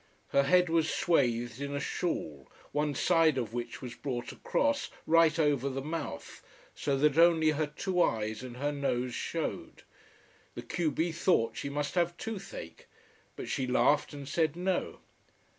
Her head was swathed in a shawl, one side of which was brought across, right over the mouth, so that only her two eyes and her nose showed. The q b thought she must have toothache but she laughed and said no.